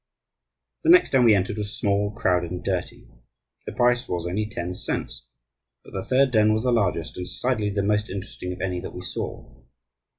The next den we entered was small, crowded, and dirty. The price was only ten cents. But the third den was the largest and decidedly the most interesting of any that we saw.